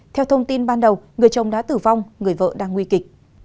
theo thông tin ban đầu người chồng đã tử vong người vợ đang nguy kịch